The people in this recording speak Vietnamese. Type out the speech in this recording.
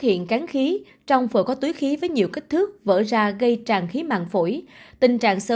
hiện gắn khí trong phở có túi khí với nhiều kích thước vỡ ra gây tràn khí mạng phổi tình trạng sơ